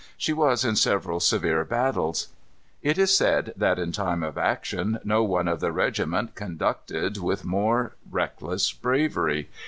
She was in several severe battles. It is said that in time of action, no one of the regiment conducted with more reckless bravery.